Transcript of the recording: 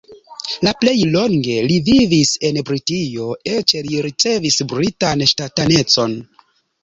La plej longe li vivis en Britio, eĉ li ricevis britan ŝtatanecon.